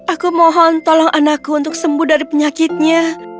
aku mohon tolong anakku untuk sembuh dari penyakitnya